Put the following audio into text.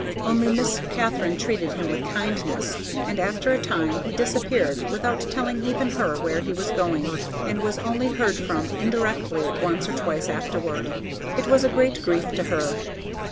Only Miss Katharine treated him with kindness, and after a time he disappeared without telling even her where he was going, and was only heard from indirectly once or twice afterward. It was a great grief to her.